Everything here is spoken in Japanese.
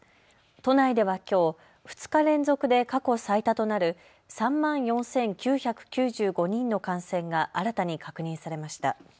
都内ではきょう２日連続で過去最多となる３万４９９５人の感染が新たに確認されました。